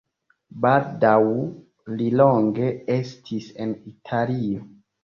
Baldaŭ li longe estis en Italio.